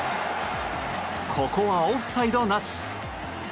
ここはオフサイドなし。